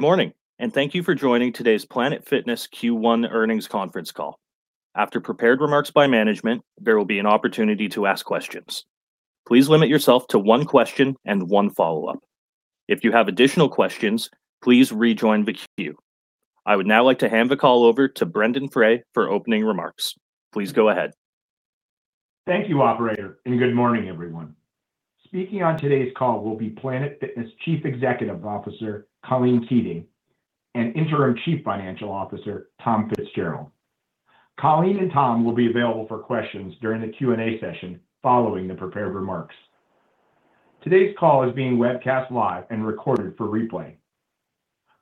Good morning, and thank you for joining today's Planet Fitness Q1 Earnings Conference Call. After prepared remarks by management, there will be an opportunity to ask questions. Please limit yourself to one question and one follow-up. If you have additional questions, please rejoin the queue. I would now like to hand the call over to Brendon Frey for opening remarks. Please go ahead. Thank you, operator, and good morning, everyone. Speaking on today's call will be Planet Fitness Chief Executive Officer, Colleen Keating, and Interim Chief Financial Officer, Tom Fitzgerald. Colleen and Tom will be available for questions during the Q&A session following the prepared remarks. Today's call is being webcast live and recorded for replay.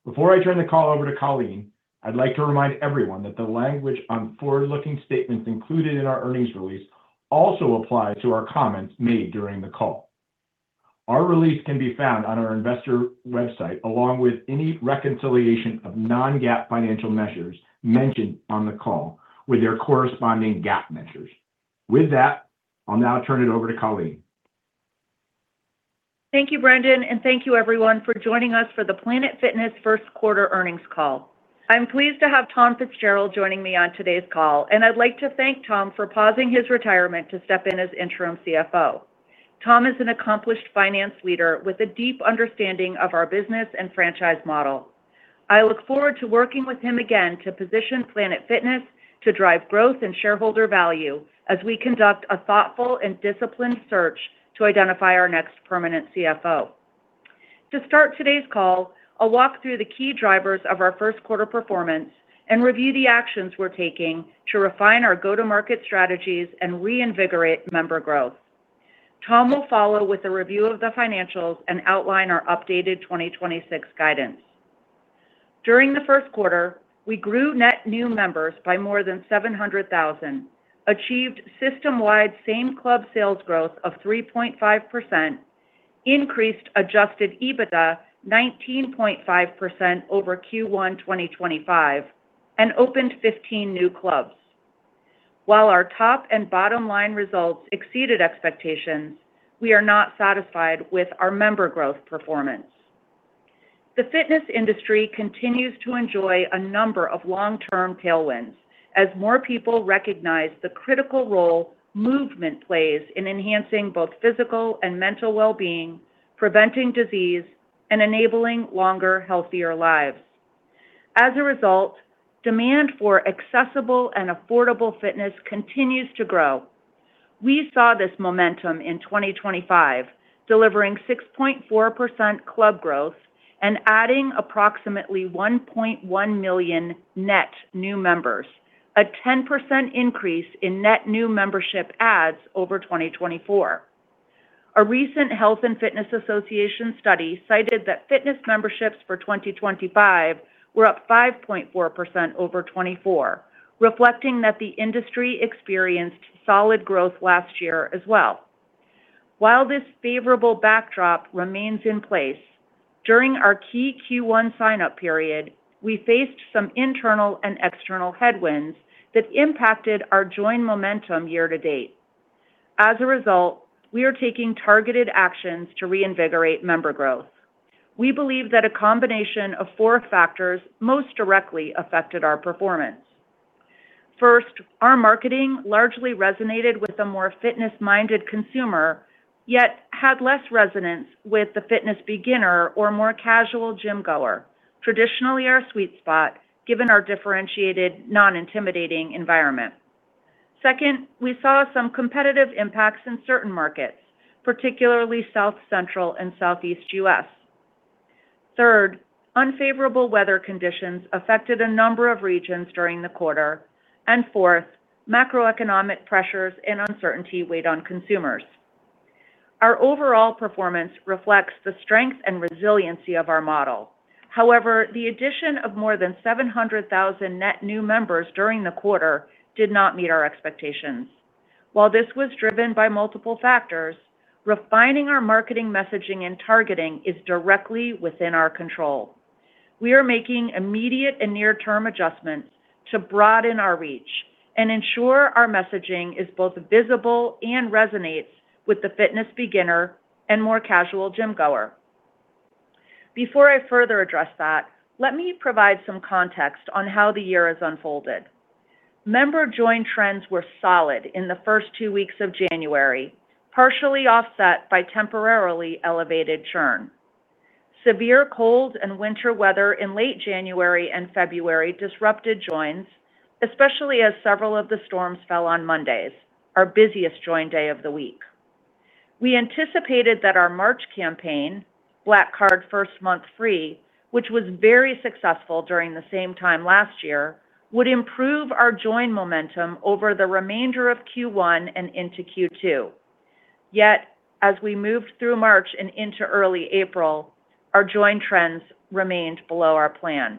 Before I turn the call over to Colleen, I'd like to remind everyone that the language on forward-looking statements included in our earnings release also apply to our comments made during the call. Our release can be found on our investor website, along with any reconciliation of non-GAAP financial measures mentioned on the call with their corresponding GAAP measures. With that, I'll now turn it over to Colleen. Thank you, Brendon, and thank you everyone for joining us for the Planet Fitness first quarter earnings call. I'm pleased to have Tom Fitzgerald joining me on today's call, and I'd like to thank Tom for pausing his retirement to step in as interim CFO. Tom is an accomplished finance leader with a deep understanding of our business and franchise model. I look forward to working with him again to position Planet Fitness to drive growth and shareholder value as we conduct a thoughtful and disciplined search to identify our next permanent CFO. To start today's call, I'll walk through the key drivers of our first quarter performance and review the actions we're taking to refine our go-to-market strategies and reinvigorate member growth. Tom will follow with a review of the financials and outline our updated 2026 guidance. During the first quarter, we grew net new members by more than 700,000, achieved system-wide same club sales growth of 3.5%, increased adjusted EBITDA 19.5% over Q1 2025, and opened 15 new clubs. While our top and bottom line results exceeded expectations, we are not satisfied with our member growth performance. The fitness industry continues to enjoy a number of long-term tailwinds as more people recognize the critical role movement plays in enhancing both physical and mental well-being, preventing disease, and enabling longer, healthier lives. As a result, demand for accessible and affordable fitness continues to grow. We saw this momentum in 2025, delivering 6.4% club growth and adding approximately 1.1 million net new members, a 10% increase in net new membership adds over 2024. A recent Health & Fitness Association study cited that fitness memberships for 2025 were up 5.4% over 2024, reflecting that the industry experienced solid growth last year as well. While this favorable backdrop remains in place, during our key Q1 sign-up period, we faced some internal and external headwinds that impacted our join momentum year-to-date. As a result, we are taking targeted actions to reinvigorate member growth. We believe that a combination of 4 factors most directly affected our performance. First, our marketing largely resonated with a more fitness-minded consumer, yet had less resonance with the fitness beginner or more casual gym-goer, traditionally our sweet spot, given our differentiated non-intimidating environment. Second, we saw some competitive impacts in certain markets, particularly South Central and Southeast U.S. Third, unfavorable weather conditions affected a number of regions during the quarter. Fourth, macroeconomic pressures and uncertainty weighed on consumers. Our overall performance reflects the strength and resiliency of our model. However, the addition of more than 700,000 net new members during the quarter did not meet our expectations. While this was driven by multiple factors, refining our marketing messaging and targeting is directly within our control. We are making immediate and near-term adjustments to broaden our reach and ensure our messaging is both visible and resonates with the fitness beginner and more casual gym-goer. Before I further address that, let me provide some context on how the year has unfolded. Member join trends were solid in the first two weeks of January, partially offset by temporarily elevated churn. Severe cold and winter weather in late January and February disrupted joins, especially as several of the storms fell on Mondays, our busiest join day of the week. We anticipated that our March campaign, Black Card First Month Free, which was very successful during the same time last year, would improve our join momentum over the remainder of Q1 and into Q2. As we moved through March and into early April, our join trends remained below our plan.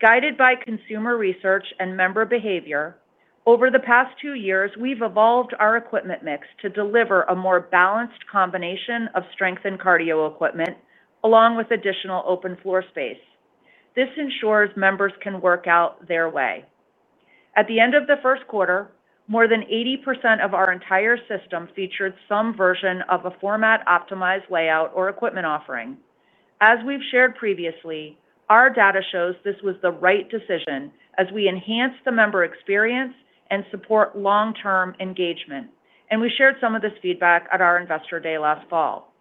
Guided by consumer research and member behavior, over the past two years, we've evolved our equipment mix to deliver a more balanced combination of strength and cardio equipment, along with additional open floor space. This ensures members can work out their way. At the end of the first quarter, more than 80% of our entire system featured some version of a format-optimized layout or equipment offering. As we've shared previously, our data shows this was the right decision as we enhance the member experience and support long-term engagement, and we shared some of this feedback at our Investor Day last fall.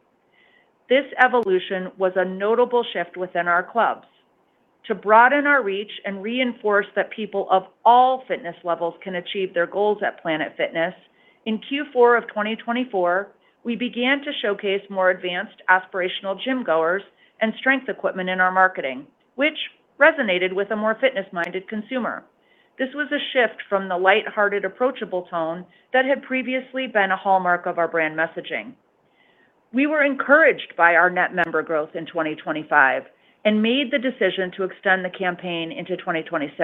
This evolution was a notable shift within our clubs. To broaden our reach and reinforce that people of all fitness levels can achieve their goals at Planet Fitness, in Q4 of 2024, we began to showcase more advanced aspirational gym-goers and strength equipment in our marketing, which resonated with a more fitness-minded consumer. This was a shift from the light-hearted, approachable tone that had previously been a hallmark of our brand messaging. We were encouraged by our net member growth in 2025 and made the decision to extend the campaign into 2026.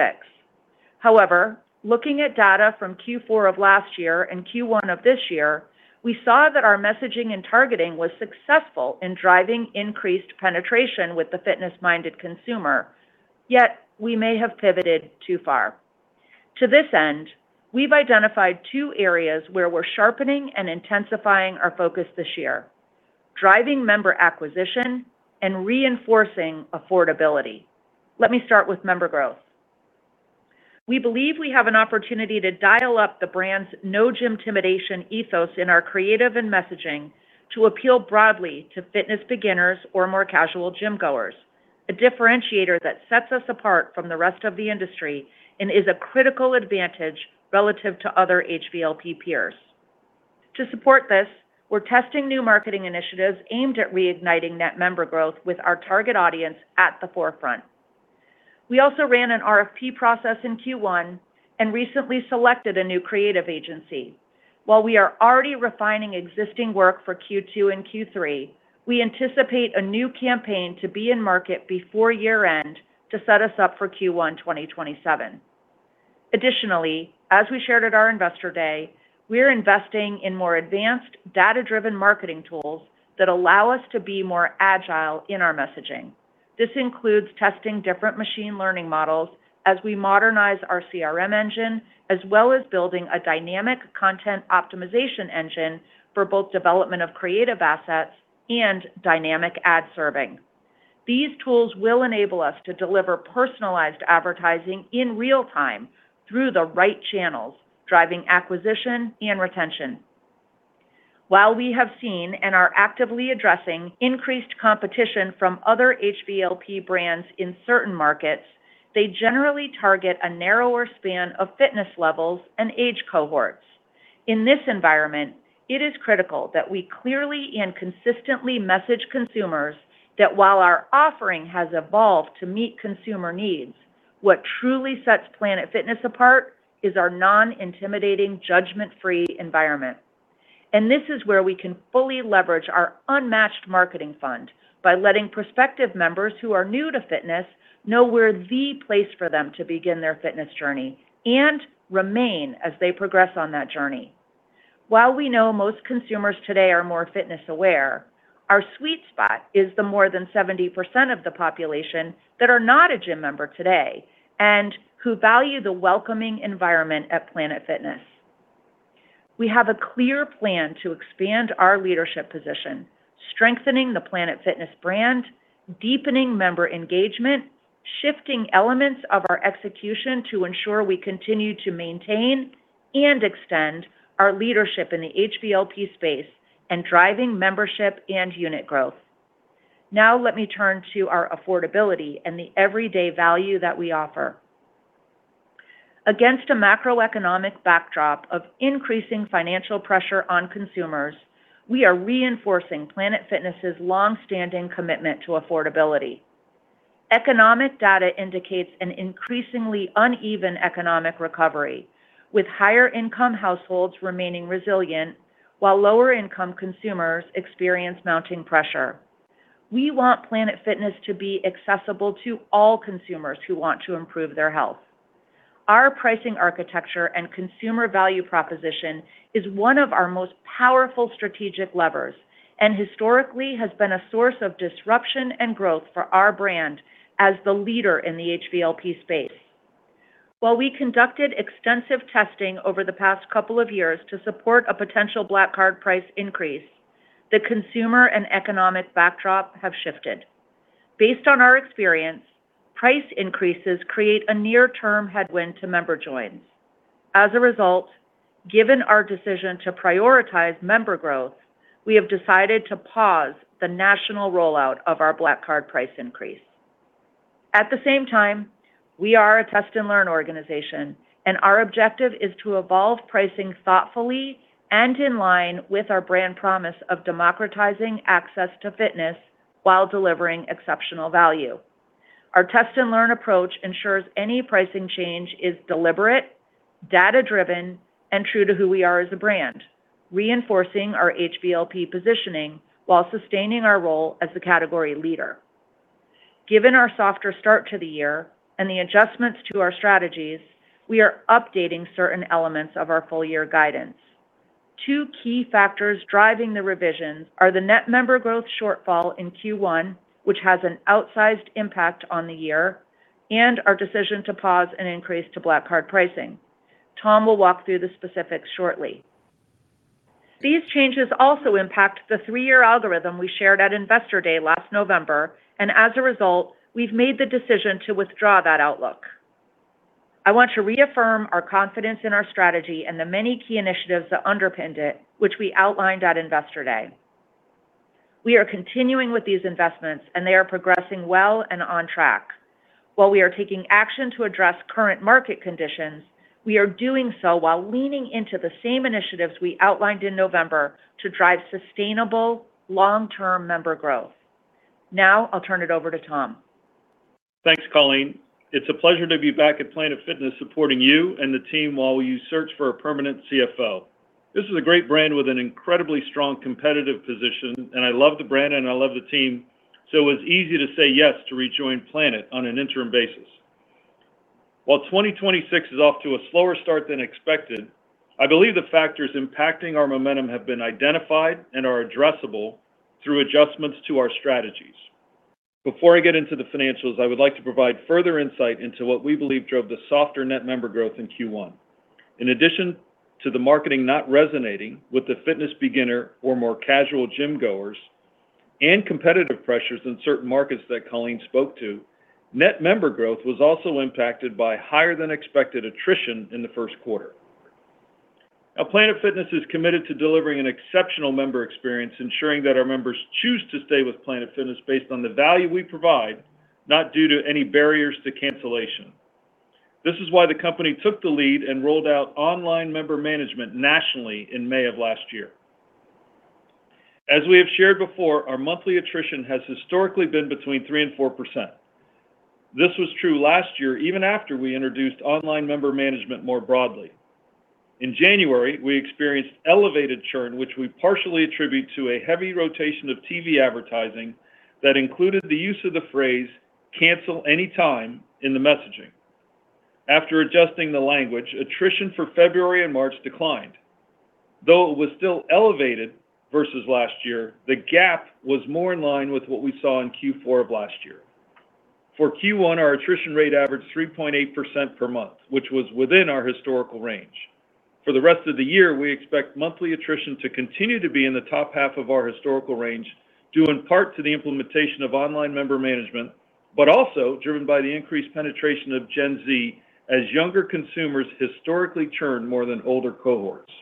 However, looking at data from Q4 of last year and Q1 of this year, we saw that our messaging and targeting was successful in driving increased penetration with the fitness-minded consumer, yet we may have pivoted too far. To this end, we've identified 2 areas where we're sharpening and intensifying our focus this year: driving member acquisition and reinforcing affordability. Let me start with member growth. We believe we have an opportunity to dial up the brand's no gym-timidation ethos in our creative and messaging to appeal broadly to fitness beginners or more casual gym-goers, a differentiator that sets us apart from the rest of the industry and is a critical advantage relative to other HVLP peers. To support this, we're testing new marketing initiatives aimed at reigniting net member growth with our target audience at the forefront. We also ran an RFP process in Q1 and recently selected a new creative agency. While we are already refining existing work for Q2 and Q3, we anticipate a new campaign to be in market before year-end to set us up for Q1 2027. Additionally, as we shared at our Investor Day, we are investing in more advanced data-driven marketing tools that allow us to be more agile in our messaging. This includes testing different machine learning models as we modernize our CRM engine, as well as building a dynamic content optimization engine for both development of creative assets and dynamic ad serving. These tools will enable us to deliver personalized advertising in real time through the right channels, driving acquisition and retention. While we have seen and are actively addressing increased competition from other HVLP brands in certain markets, they generally target a narrower span of fitness levels and age cohorts. In this environment, it is critical that we clearly and consistently message consumers that while our offering has evolved to meet consumer needs, what truly sets Planet Fitness apart is our non-intimidating, judgment-free environment. This is where we can fully leverage our unmatched marketing fund by letting prospective members who are new to fitness know we're the place for them to begin their fitness journey and remain as they progress on that journey. While we know most consumers today are more fitness-aware, our sweet spot is the more than 70% of the population that are not a gym member today and who value the welcoming environment at Planet Fitness. We have a clear plan to expand our leadership position, strengthening the Planet Fitness brand, deepening member engagement, shifting elements of our execution to ensure we continue to maintain and extend our leadership in the HVLP space, and driving membership and unit growth. Let me turn to our affordability and the everyday value that we offer. Against a macroeconomic backdrop of increasing financial pressure on consumers, we are reinforcing Planet Fitness' longstanding commitment to affordability. Economic data indicates an increasingly uneven economic recovery, with higher-income households remaining resilient while lower-income consumers experience mounting pressure. We want Planet Fitness to be accessible to all consumers who want to improve their health. Our pricing architecture and consumer value proposition is one of our most powerful strategic levers, and historically has been a source of disruption and growth for our brand as the leader in the HVLP space. While we conducted extensive testing over the past couple of years to support a potential Black Card price increase, the consumer and economic backdrop have shifted. Based on our experience, price increases create a near-term headwind to member joins. As a result, given our decision to prioritize member growth, we have decided to pause the national rollout of our Black Card price increase. At the same time, we are a test-and-learn organization, and our objective is to evolve pricing thoughtfully and in line with our brand promise of democratizing access to fitness while delivering exceptional value. Our test-and-learn approach ensures any pricing change is deliberate, data-driven, and true to who we are as a brand, reinforcing our HVLP positioning while sustaining our role as the category leader. Given our softer start to the year and the adjustments to our strategies, we are updating certain elements of our full-year guidance. Two key factors driving the revisions are the net member growth shortfall in Q1, which has an outsized impact on the year, and our decision to pause an increase to Black Card pricing. Tom will walk through the specifics shortly. These changes also impact the 3-year algorithm we shared at Investor Day last November, and as a result, we've made the decision to withdraw that outlook. I want to reaffirm our confidence in our strategy and the many key initiatives that underpinned it, which we outlined at Investor Day. We are continuing with these investments, and they are progressing well and on track. While we are taking action to address current market conditions, we are doing so while leaning into the same initiatives we outlined in November to drive sustainable long-term member growth. I'll turn it over to Tom. Thanks, Colleen. It's a pleasure to be back at Planet Fitness, supporting you and the team while you search for a permanent CFO. This is a great brand with an incredibly strong competitive position, and I love the brand, and I love the team, so it was easy to say yes to rejoin Planet on an interim basis. While 2026 is off to a slower start than expected, I believe the factors impacting our momentum have been identified and are addressable through adjustments to our strategies. Before I get into the financials, I would like to provide further insight into what we believe drove the softer net member growth in Q1. In addition to the marketing not resonating with the fitness beginner or more casual gym-goers and competitive pressures in certain markets that Colleen spoke to, net member growth was also impacted by higher-than-expected attrition in the first quarter. Now, Planet Fitness is committed to delivering an exceptional member experience, ensuring that our members choose to stay with Planet Fitness based on the value we provide, not due to any barriers to cancellation. This is why the company took the lead and rolled out online member management nationally in May of last year. As we have shared before, our monthly attrition has historically been between 3% and 4%. This was true last year, even after we introduced online member management more broadly. In January, we experienced elevated churn, which we partially attribute to a heavy rotation of TV advertising that included the use of the phrase "cancel anytime" in the messaging. After adjusting the language, attrition for February and March declined. Though it was still elevated versus last year, the gap was more in line with what we saw in Q4 of last year. For Q1, our attrition rate averaged 3.8% per month, which was within our historical range. For the rest of the year, we expect monthly attrition to continue to be in the top half of our historical range, due in part to the implementation of online member management, but also driven by the increased penetration of Gen Z, as younger consumers historically churn more than older cohorts.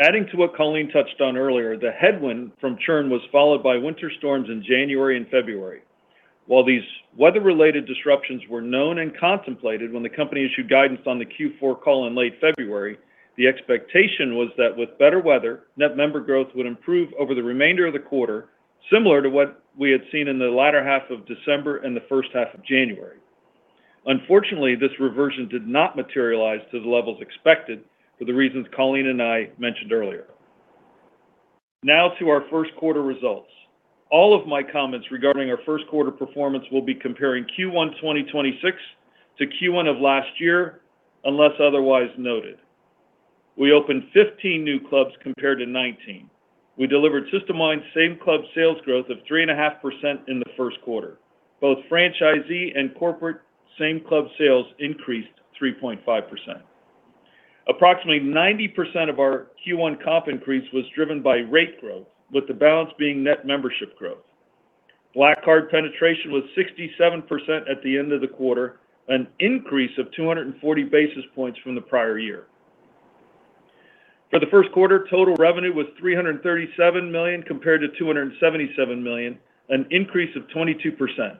Adding to what Colleen touched on earlier, the headwind from churn was followed by winter storms in January and February. While these weather-related disruptions were known and contemplated when the company issued guidance on the Q4 call in late February, the expectation was that with better weather, net member growth would improve over the remainder of the quarter, similar to what we had seen in the latter half of December and the first half of January. Unfortunately, this reversion did not materialize to the levels expected for the reasons Colleen and I mentioned earlier. Now to our first quarter results. All of my comments regarding our first quarter performance will be comparing Q1 2026 to Q1 of last year, unless otherwise noted. We opened 15 new clubs compared to 19. We delivered system-wide same-club sales growth of 3.5% in the first quarter. Both franchisee and corporate same-club sales increased 3.5%. Approximately 90% of our Q1 comp increase was driven by rate growth, with the balance being net membership growth. Black Card penetration was 67% at the end of the quarter, an increase of 240 basis points from the prior year. For the first quarter, total revenue was $337 million compared to $277 million, an increase of 22%.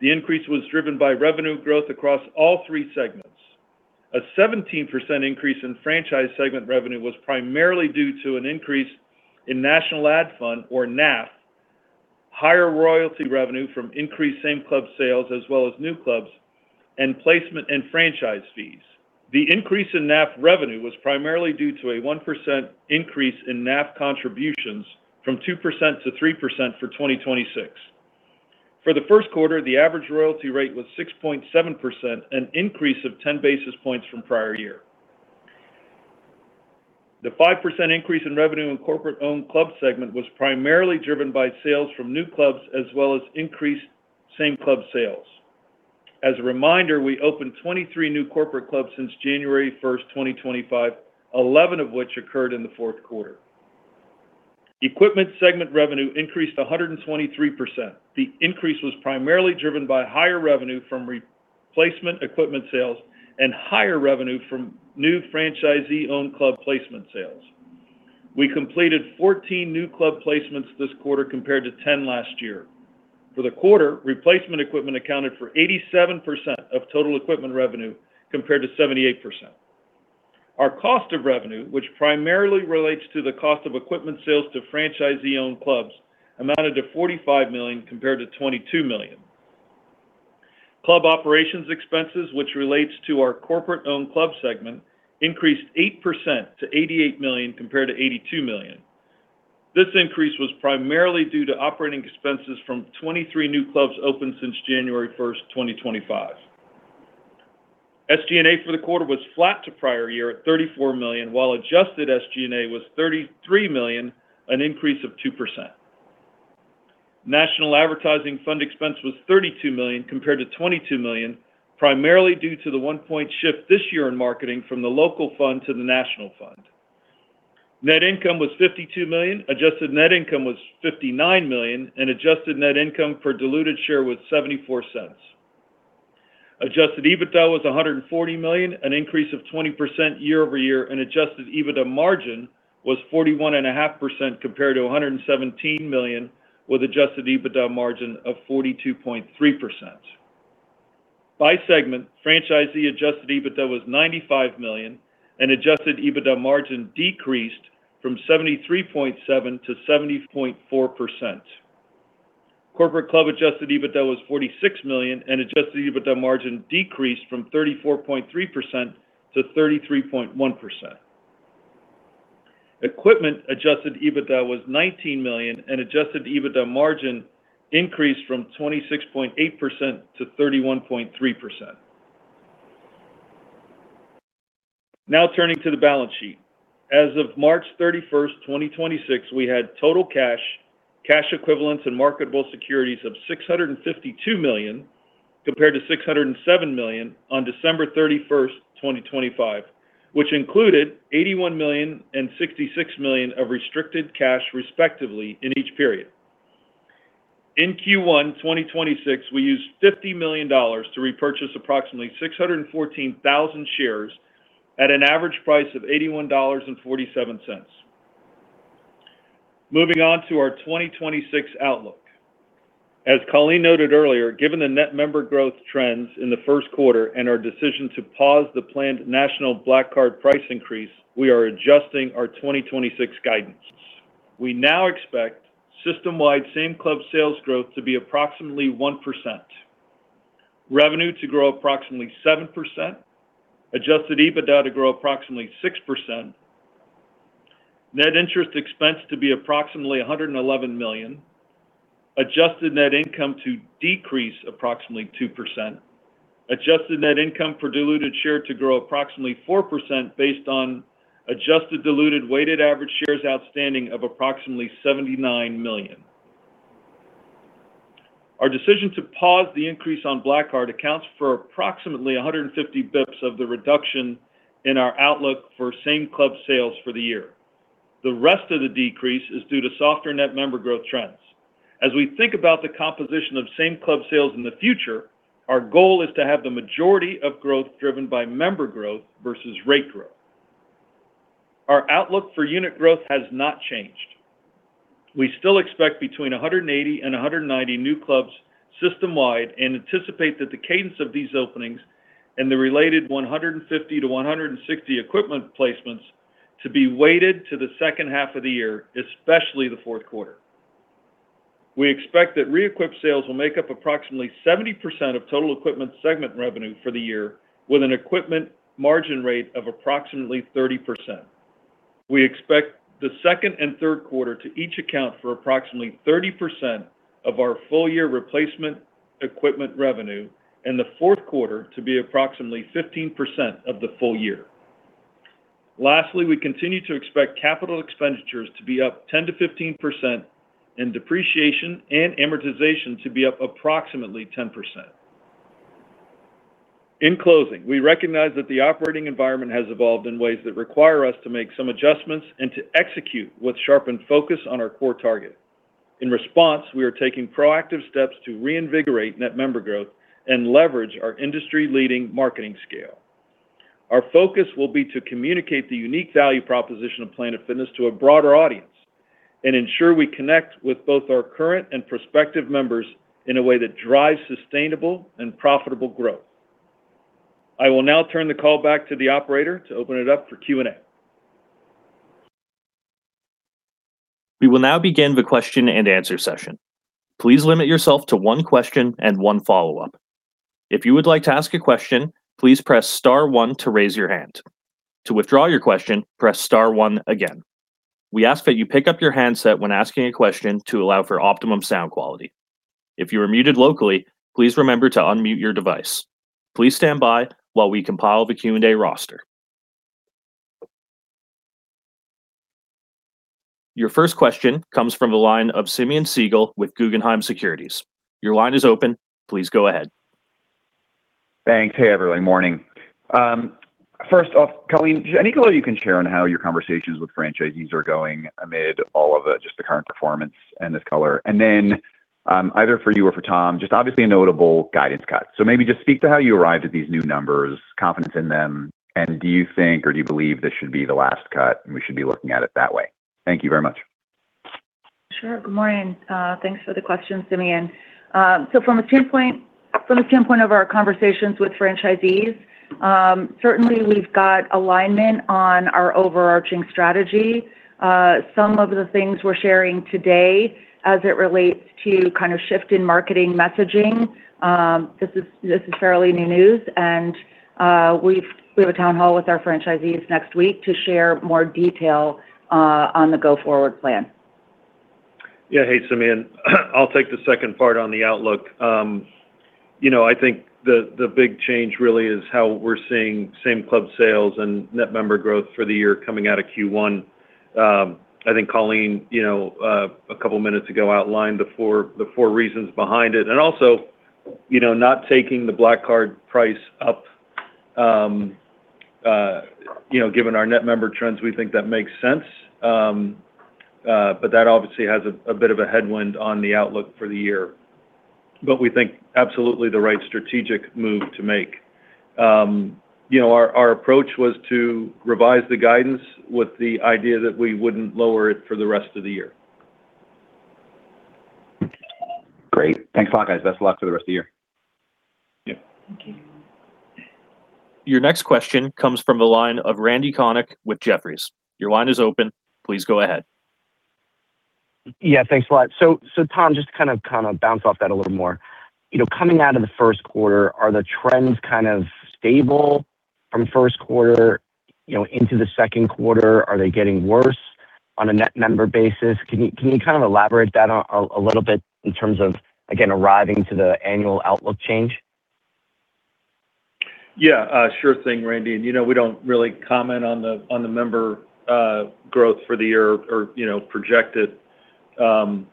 The increase was driven by revenue growth across all three segments. A 17% increase in franchise segment revenue was primarily due to an increase in National Ad Fund, or NAF, higher royalty revenue from increased same-club sales as well as new clubs, and placement and franchise fees. The increase in NAF revenue was primarily due to a 1% increase in NAF contributions from 2% to 3% for 2026. For the first quarter, the average royalty rate was 6.7%, an increase of 10 basis points from prior year. The 5% increase in revenue in corporate-owned club segment was primarily driven by sales from new clubs as well as increased same-club sales. As a reminder, we opened 23 new corporate clubs since January 1st, 2025, 11 of which occurred in the fourth quarter. Equipment segment revenue increased 123%. The increase was primarily driven by higher revenue from replacement equipment sales and higher revenue from new franchisee-owned club placement sales. We completed 14 new club placements this quarter, compared to 10 last year. For the quarter, replacement equipment accounted for 87% of total equipment revenue, compared to 78%. Our cost of revenue, which primarily relates to the cost of equipment sales to franchisee-owned clubs, amounted to $45 million, compared to $22 million. Club operations expenses, which relates to our corporate-owned club segment, increased 8% to $88 million, compared to $82 million. This increase was primarily due to operating expenses from 23 new clubs opened since January 1st, 2025. SG&A for the quarter was flat to prior year at $34 million, while adjusted SG&A was $33 million, an increase of 2%. National Ad Fund expense was $32 million compared to $22 million, primarily due to the 1-point shift this year in marketing from the local fund to the National Fund. Net income was $52 million, adjusted net income was $59 million, and adjusted net income per diluted share was $0.74. Adjusted EBITDA was $140 million, an increase of 20% year-over-year, and adjusted EBITDA margin was 41.5% compared to $117 million, with adjusted EBITDA margin of 42.3%. By segment, franchisee adjusted EBITDA was $95 million, and adjusted EBITDA margin decreased from 73.7% to 70.4%. Corporate club adjusted EBITDA was $46 million, and adjusted EBITDA margin decreased from 34.3% to 33.1%. Equipment adjusted EBITDA was $19 million. Adjusted EBITDA margin increased from 26.8% to 31.3%. Turning to the balance sheet. As of March 31st, 2026, we had total cash equivalents, and marketable securities of $652 million, compared to $607 million on December 31st, 2025, which included $81 million and $66 million of restricted cash respectively in each period. In Q1 2026, we used $50 million to repurchase approximately 614,000 shares at an average price of $81.47. Moving on to our 2026 outlook. As Colleen noted earlier, given the net member growth trends in the first quarter and our decision to pause the planned national Black Card price increase, we are adjusting our 2026 guidance. We now expect system-wide same club sales growth to be approximately 1%, revenue to grow approximately 7%, adjusted EBITDA to grow approximately 6%, net interest expense to be approximately $111 million, adjusted net income to decrease approximately 2%, adjusted net income per diluted share to grow approximately 4% based on adjusted diluted weighted average shares outstanding of approximately $79 million. Our decision to pause the increase on Black Card accounts for approximately 150 bps of the reduction in our outlook for same club sales for the year. The rest of the decrease is due to softer net member growth trends. As we think about the composition of same club sales in the future, our goal is to have the majority of growth driven by member growth versus rate growth. Our outlook for unit growth has not changed. We still expect between 180 and 190 new clubs system-wide and anticipate that the cadence of these openings and the related 150 to 160 equipment placements to be weighted to the second half of the year, especially the fourth quarter. We expect that re-equip sales will make up approximately 70% of total equipment segment revenue for the year with an equipment margin rate of approximately 30%. We expect the second and third quarter to each account for approximately 30% of our full-year replacement equipment revenue and the fourth quarter to be approximately 15% of the full year. Lastly, we continue to expect capital expenditures to be up 10%-15% and depreciation and amortization to be up approximately 10%. In closing, we recognize that the operating environment has evolved in ways that require us to make some adjustments and to execute with sharpened focus on our core target. In response, we are taking proactive steps to reinvigorate net member growth and leverage our industry-leading marketing scale. Our focus will be to communicate the unique value proposition of Planet Fitness to a broader audience and ensure we connect with both our current and prospective members in a way that drives sustainable and profitable growth. I will now turn the call back to the operator to open it up for Q&A. We will now begin the question-and-answer session. Please limit yourself to one question and one follow-up. If you would like to ask a question, please press star one to raise your hand. To withdraw your question, press star one again. We ask that you pick up your handset when asking a question, to allow for optimum sound quality. If you are muted locally, please remember to unmute your device. Please stand by while we compile the Q&A roster. Your first question comes from the line of Simeon Siegel with Guggenheim Securities. Your line is open. Please go ahead. Thanks. Hey, everyone. Morning. First off, Colleen, any color you can share on how your conversations with franchisees are going amid all of the, just the current performance and this color? Then, either for you or for Tom, just obviously a notable guidance cut. Maybe just speak to how you arrived at these new numbers, confidence in them, and do you think or do you believe this should be the last cut and we should be looking at it that way? Thank you very much. Sure. Good morning. Thanks for the question, Simeon. From the standpoint of our conversations with franchisees, certainly we've got alignment on our overarching strategy. Some of the things we're sharing today as it relates to kind of shift in marketing messaging, this is fairly new news, we have a town hall with our franchisees next week to share more detail on the go-forward plan. Hey, Simeon. I'll take the second part on the outlook. You know, I think the big change really is how we're seeing same club sales and net member growth for the year coming out of Q1. I think Colleen, you know, a couple minutes ago outlined the four reasons behind it. Also, you know, not taking the Black Card price up, you know, given our net member trends, we think that makes sense. That obviously has a bit of a headwind on the outlook for the year. We think absolutely the right strategic move to make. You know, our approach was to revise the guidance with the idea that we wouldn't lower it for the rest of the year. Great. Thanks a lot, guys. Best of luck for the rest of the year. Yeah. Thank you. Your next question comes from the line of Randal Konik with Jefferies. Your line is open. Please go ahead. Yeah. Thanks a lot. Tom, just to kind of bounce off that a little more, you know, coming out of the first quarter, are the trends kind of stable from first quarter, you know, into the second quarter? Are they getting worse on a net member basis? Can you kind of elaborate that on a little bit in terms of, again, arriving to the annual outlook change? Yeah. Sure thing, Randal. You know, we don't really comment on the member growth for the year or, you know, projected.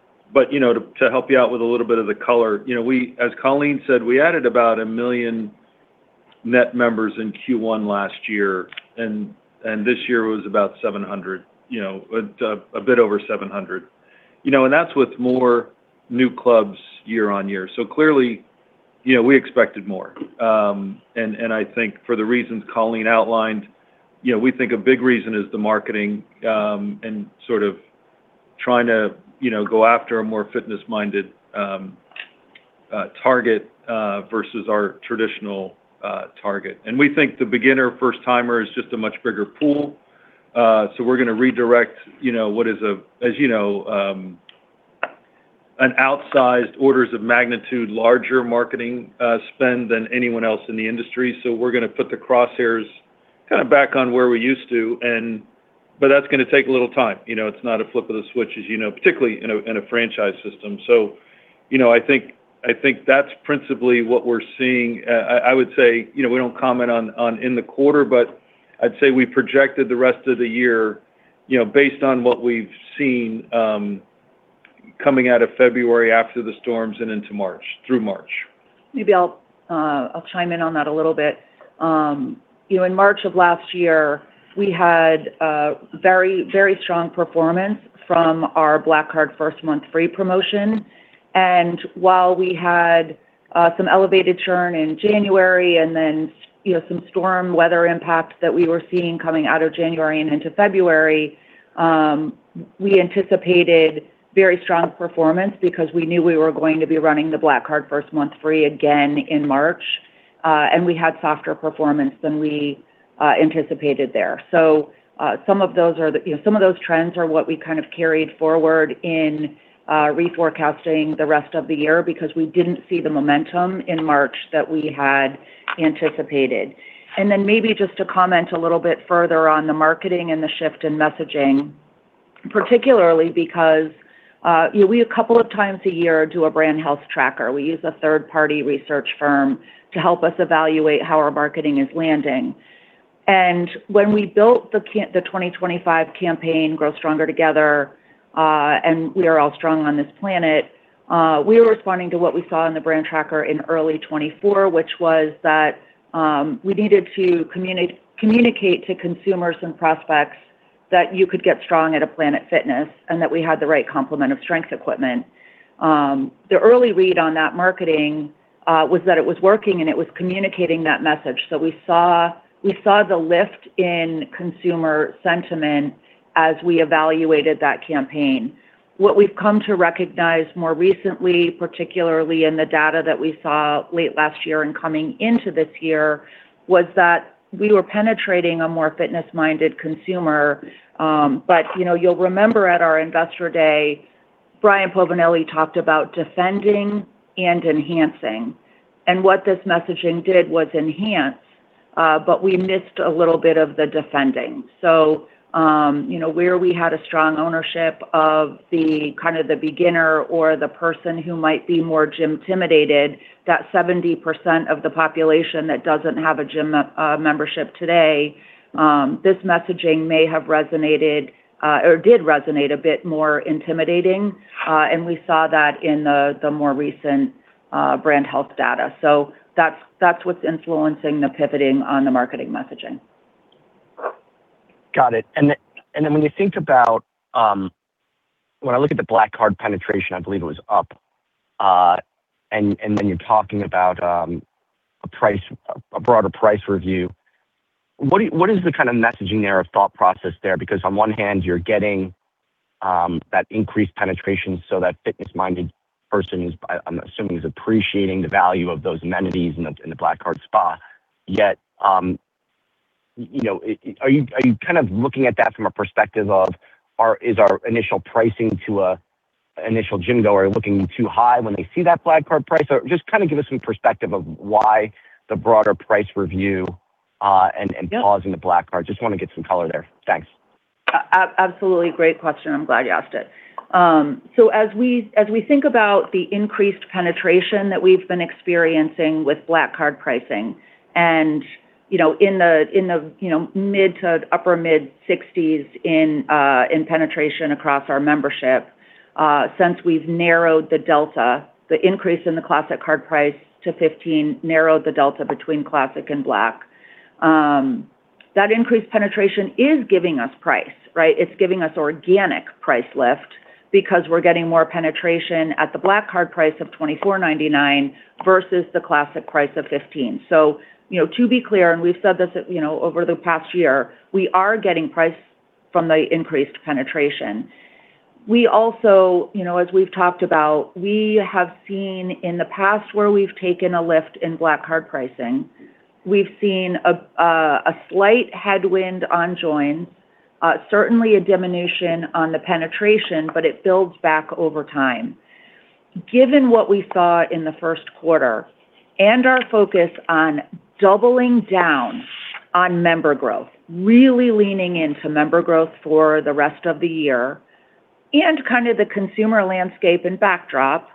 You know, to help you out with a little bit of the color, you know, as Colleen said, we added about 1 million net members in Q1 last year, and this year was about 700, you know, a bit over 700. You know, that's with more new clubs year-over-year. Clearly, you know, we expected more. I think for the reasons Colleen outlined, you know, we think a big reason is the marketing, and sort of trying to, you know, go after a more fitness-minded target versus our traditional target. We think the beginner first-timer is just a much bigger pool. We're going to redirect, you know, what is a, as you know, an outsized orders of magnitude, larger marketing spend than anyone else in the industry. We're going to put the crosshairs kind of back on where we used to, but that's going to take a little time. You know, it's not a flip of the switch, as you know, particularly in a franchise system. You know, I think that's principally what we're seeing. I would say, you know, we don't comment on in the quarter, but I'd say we projected the rest of the year, you know, based on what we've seen coming out of February after the storms and into March, through March. Maybe I'll chime in on that a little bit. You know, in March of last year, we had a very, very strong performance from our Black Card First Month Free promotion. While we had, some elevated churn in January and then, you know, some storm weather impact that we were seeing coming out of January and into February, we anticipated very strong performance because we knew we were going to be running the Black Card First Month Free again in March. We had softer performance than we anticipated there. Some of those are the, you know, some of those trends are what we kind of carried forward in, reforecasting the rest of the year because we didn't see the momentum in March that we had anticipated. Maybe just to comment a little bit further on the marketing and the shift in messaging, particularly because, you know, we a couple of times a year do a brand health tracker. We use a third-party research firm to help us evaluate how our marketing is landing. When we built the 2025 campaign, Grow Stronger Together, and We Are All Strong on This Planet, we were responding to what we saw in the brand tracker in early 2024, which was that we needed to communicate to consumers and prospects that you could get strong at a Planet Fitness and that we had the right complement of strength equipment. The early read on that marketing was that it was working and it was communicating that message. We saw the lift in consumer sentiment as we evaluated that campaign. What we've come to recognize more recently, particularly in the data that we saw late last year and coming into this year, was that we were penetrating a more fitness-minded consumer. You know, you'll remember at our Investor Day, Brian Povinelli talked about defending and enhancing, and what this messaging did was enhance, but we missed a little bit of the defending. You know, where we had a strong ownership of the kind of the beginner or the person who might be more gym-timidated, that 70% of the population that doesn't have a gym membership today, this messaging may have resonated, or did resonate a bit more intimidating. And we saw that in the more recent brand health data. That's what's influencing the pivoting on the marketing messaging. Got it. When I look at the Black Card penetration, I believe it was up, then you're talking about a broader price review. What is the kind of messaging there or thought process there? On one hand, you're getting that increased penetration, so that fitness-minded person, I'm assuming, is appreciating the value of those amenities in the Black Card spot. You know, are you kind of looking at that from a perspective of is our initial pricing to an initial gym-goer looking too high when they see that Black Card price? Just kind of give us some perspective of why the broader price review and pausing the Black Card. Just want to get some color there. Thanks Absolutely. Great question. I'm glad you asked it. As we think about the increased penetration that we've been experiencing with Black Card pricing and, you know, in the, in the, you know, mid to upper mid-60s in penetration across our membership, since we've narrowed the delta, the increase in the Classic Card price to $15 narrowed the delta between Classic and Black. That increased penetration is giving us price, right? It's giving us organic price lift because we're getting more penetration at the Black Card price of $24.99 versus the Classic price of $15. You know, to be clear, and we've said this, you know, over the past year, we are getting price from the increased penetration. We also, you know, as we've talked about, we have seen in the past where we've taken a lift in Black Card pricing. We've seen a slight headwind on joins, certainly a diminution on the penetration, but it builds back over time. Given what we saw in the first quarter and our focus on doubling down on member growth, really leaning into member growth for the rest of the year and kind of the consumer landscape and backdrop,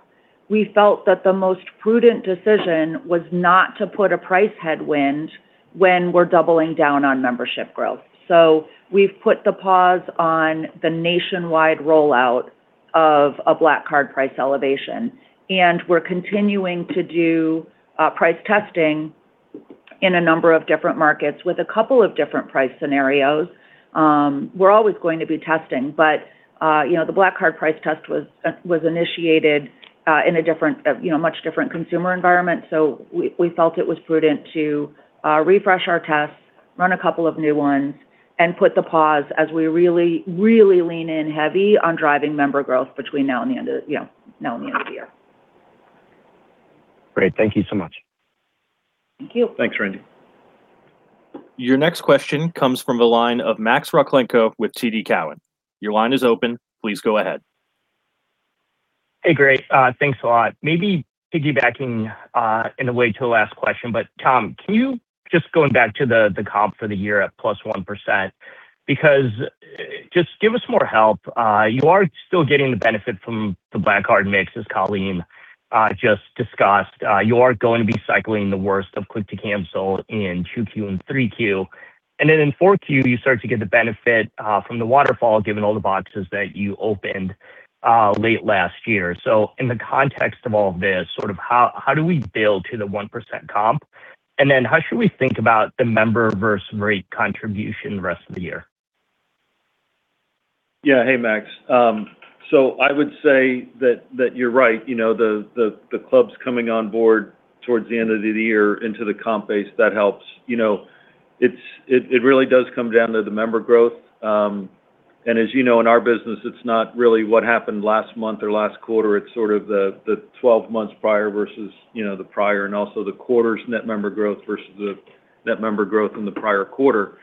we felt that the most prudent decision was not to put a price headwind when we're doubling down on membership growth. We've put the pause on the nationwide rollout of a Black Card price elevation, and we're continuing to do price testing in a number of different markets with a couple of different price scenarios. We're always going to be testing, but, you know, the Black Card price test was initiated in a different, you know, much different consumer environment. We felt it was prudent to refresh our tests, run a couple of new ones, and put the pause as we really lean in heavy on driving member growth between now and the end of, you know, now and the end of the year. Great. Thank you so much. Thank you. Thanks, Randal. Your next question comes from the line of Max Rakhlenko with TD Cowen. Your line is open. Please go ahead. Hey, great. Thanks a lot. Maybe piggybacking in a way to the last question, Tom, can you just going back to the comp for the year at +1%, because just give us more help. You are still getting the benefit from the PF Black Card mix as Colleen just discussed. You are going to be cycling the worst of click to cancel in 2Q and 3Q. In 4Q, you start to get the benefit from the waterfall, given all the boxes that you opened late last year. In the context of all this, sort of how do we build to the 1% comp? How should we think about the member versus rate contribution the rest of the year? Yeah. Hey, Max. I would say that you're right. You know, the clubs coming on board towards the end of the year into the comp base, that helps. You know, it really does come down to the member growth. As you know, in our business, it's not really what happened last month or last quarter. It's sort of the 12 months prior versus, you know, the prior and also the quarter's net member growth versus the net member growth in the prior quarter.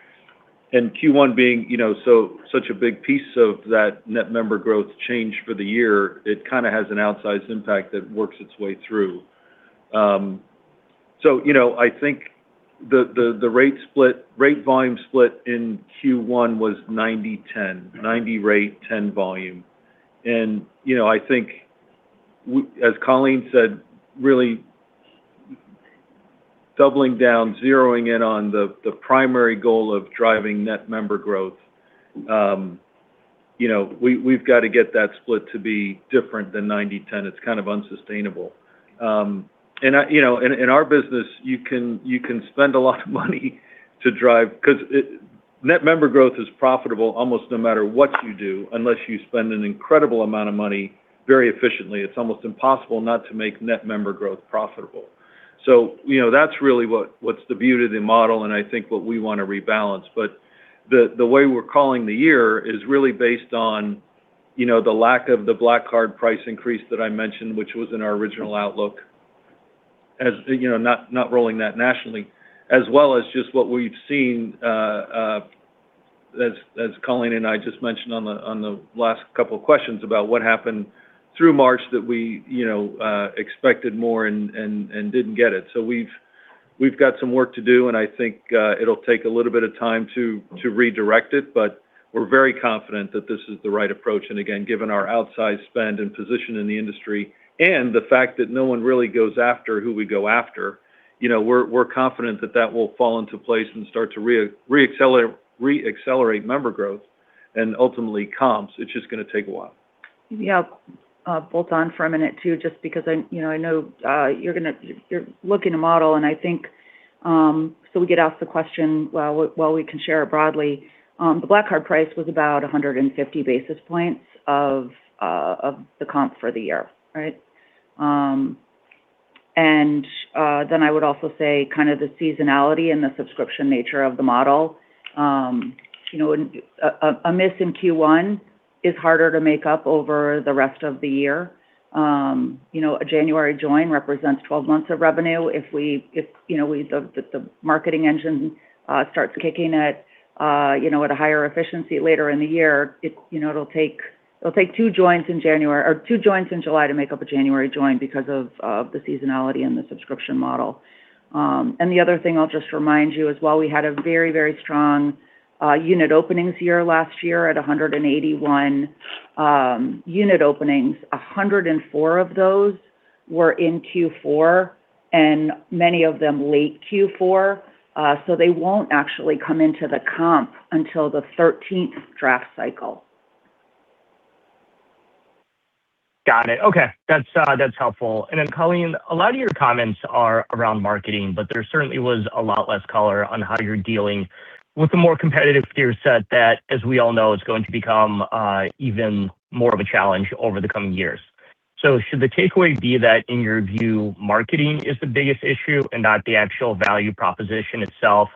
Q1 being, you know, such a big piece of that net member growth change for the year, it kind of has an outsized impact that works its way through. You know, I think the rate split, rate volume split in Q1 was 90/10, 90 rate, 10 volume. You know, I think as Colleen said, really doubling down, zeroing in on the primary goal of driving net member growth, you know, we've got to get that split to be different than 90/10. It's kind of unsustainable. I, you know, in our business, you can spend a lot of money to, because it net member growth is profitable almost no matter what you do, unless you spend an incredible amount of money very efficiently. It's almost impossible not to make net member growth profitable. You know, that's really what's the beauty of the model, and I think what we want to rebalance. The way we're calling the year is really based on, you know, the lack of the black card price increase that I mentioned, which was in our original outlook as, you know, not rolling that nationally, as well as just what we've seen, as Colleen and I just mentioned on the last couple of questions about what happened through March that we, you know, expected more and didn't get it. We've got some work to do, and I think, it'll take a little bit of time to redirect it. We're very confident that this is the right approach. Again, given our outsized spend and position in the industry and the fact that no one really goes after who we go after, you know, we're confident that that will fall into place and start to reaccelerate member growth and ultimately comps. It's just going to take a while. Yeah. I'll bolt on for a minute too, just because you know, I know you're looking to model, and I think we get asked the question, well, well we can share it broadly. The Black Card price was about 150 basis points of the comp for the year, right? I would also say kind of the seasonality and the subscription nature of the model. You know, a miss in Q1 is harder to make up over the rest of the year. You know, a January join represents 12 months of revenue. If you know, the marketing engine starts kicking it, you know, at a higher efficiency later in the year, it, you know, it'll take 2 joins in January or 2 joins in July to make up a January join because of the seasonality and the subscription model. The other thing I'll just remind you as well, we had a very strong unit openings year last year at 181 unit openings. 104 of those were in Q4, many of them late Q4, so they won't actually come into the comp until the 13th draft cycle. Got it, okay. That's helpful. Then Colleen, a lot of your comments are around marketing, but there certainly was a lot less color on how you're dealing with the more competitive peer set that, as we all know, is going to become even more of a challenge over the coming years. Should the takeaway be that in your view, marketing is the biggest issue and not the actual value proposition itself,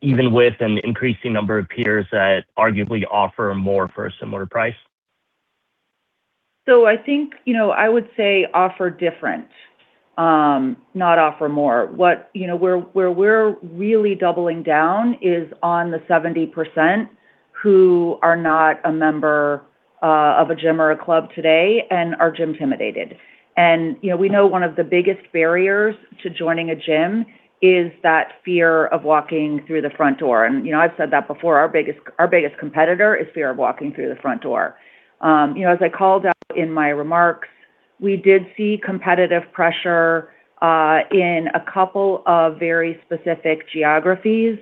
even with an increasing number of peers that arguably offer more for a similar price? I think, you know, I would say offer different, not offer more. You know, where we're really doubling down is on the 70% who are not a member of a gym or a club today and are gym-timidated. You know, we know one of the biggest barriers to joining a gym is that fear of walking through the front door. You know, I've said that before. Our biggest competitor is fear of walking through the front door. You know, as I called out in my remarks, we did see competitive pressure in a couple of very specific geographies.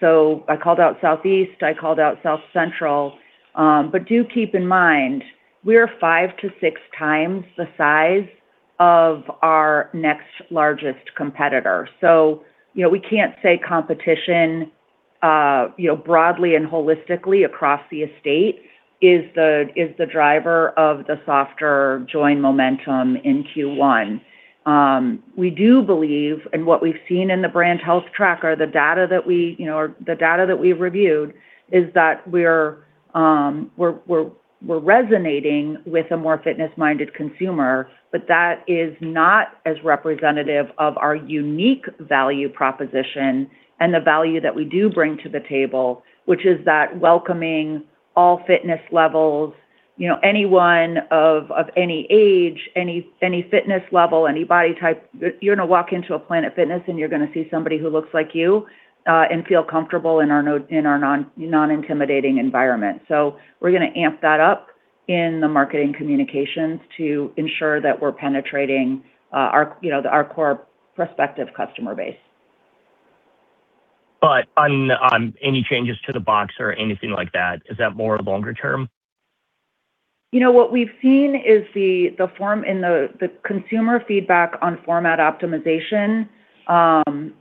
I called out Southeast, I called out South Central. Do keep in mind, we're 5x-6x the size of our next largest competitor. You know, we can't say competition, you know, broadly and holistically across the estate is the driver of the softer join momentum in Q1. We do believe, and what we've seen in the brand health tracker, the data that we, you know, or the data that we've reviewed is that we're resonating with a more fitness-minded consumer, but that is not as representative of our unique value proposition and the value that we do bring to the table, which is that welcoming all fitness levels. You know, anyone of any age, any fitness level, any body type, you're going to walk into a Planet Fitness and you're going to see somebody who looks like you, and feel comfortable in our non-intimidating environment. We're going to amp that up in the marketing communications to ensure that we're penetrating, our, you know, our core prospective customer base. On any changes to the box or anything like that, is that more longer term? You know, what we've seen is the form in the consumer feedback on format optimization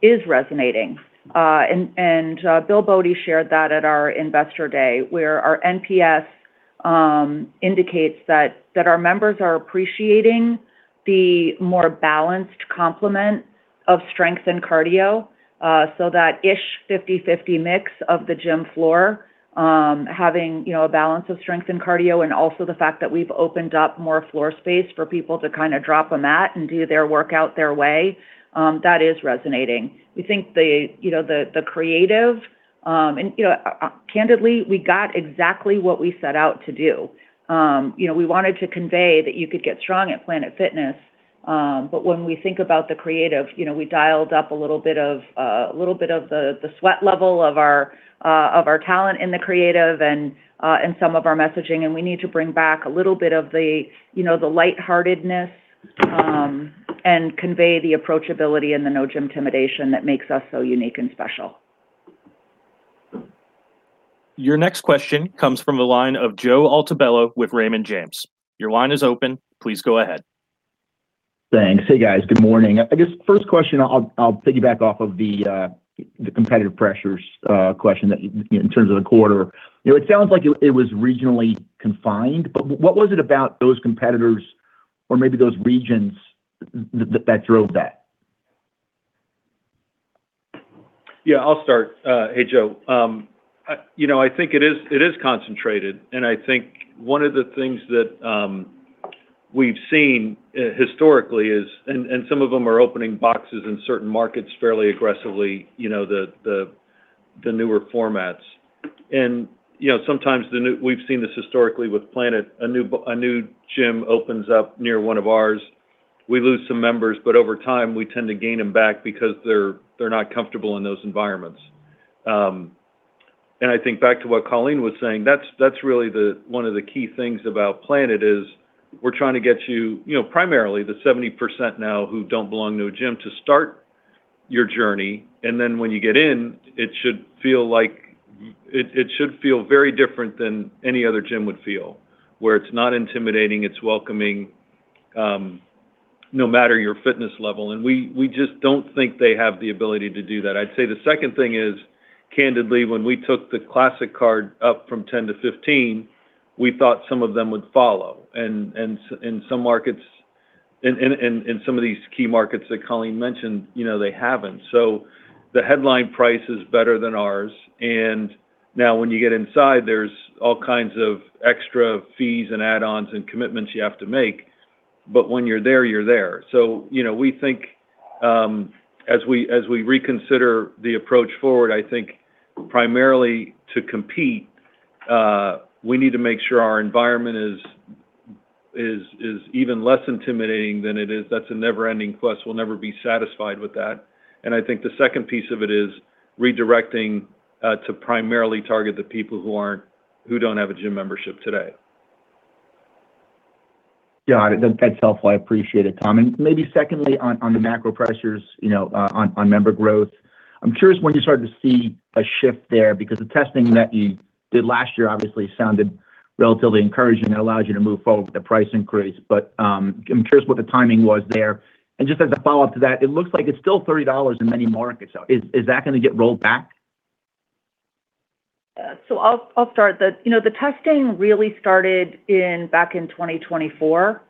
is resonating. Bill Bode shared that at our investor day, where our NPS indicates that our members are appreciating the more balanced complement of strength and cardio. That ish 50-50 mix of the gym floor, having, you know, a balance of strength and cardio, and also the fact that we've opened up more floor space for people to kind of drop a mat and do their workout their way, that is resonating. We think the, you know, the creative, and you know, candidly, we got exactly what we set out to do. You know, we wanted to convey that you could get strong at Planet Fitness, but when we think about the creative, you know, we dialed up a little bit of the sweat level of our, of our talent in the creative and, in some of our messaging, and we need to bring back a little bit of the, you know, the lightheartedness, and convey the approachability and the no gym-timidation that makes us so unique and special. Your next question comes from the line of Joe Altobello with Raymond James. Your line is open. Please go ahead. Thanks. Hey, guys. Good morning. I guess first question I'll piggyback off of the competitive pressures question that, you know, in terms of the quarter. You know, it sounds like it was regionally confined, but what was it about those competitors or maybe those regions that drove that? Yeah, I'll start. Hey, Joe. You know, I think it is, it is concentrated, and I think one of the things that we've seen historically is, and some of them are opening boxes in certain markets fairly aggressively, you know, the newer formats. You know, sometimes we've seen this historically with Planet. A new gym opens up near one of ours, we lose some members, but over time, we tend to gain them back because they're not comfortable in those environments. I think back to what Colleen was saying, that's really the one of the key things about Planet is we're trying to get you know, primarily the 70% now who don't belong to a gym, to start your journey, and then when you get in, it should feel like it should feel very different than any other gym would feel, where it's not intimidating, it's welcoming, no matter your fitness level. We just don't think they have the ability to do that. I'd say the second thing is, candidly, when we took the Classic up from 10 to 15, we thought some of them would follow. In some markets and in some of these key markets that Colleen mentioned, you know, they haven't. The headline price is better than ours, now when you get inside, there's all kinds of extra fees and add-ons and commitments you have to make. When you're there, you're there. You know, we think, as we reconsider the approach forward, I think primarily to compete, we need to make sure our environment is even less intimidating than it is. That's a never-ending quest. We'll never be satisfied with that. I think the second piece of it is redirecting to primarily target the people who don't have a gym membership today. Got it. That's helpful. I appreciate it, Tom. Maybe secondly on the macro pressures, you know, on member growth, I'm curious when you started to see a shift there, because the testing that you did last year obviously sounded relatively encouraging. It allows you to move forward with the price increase. I'm curious what the timing was there. Just as a follow-up to that, it looks like it's still $30 in many markets. Is that going to get rolled back? I'll start. You know, the testing really started in back in 2024.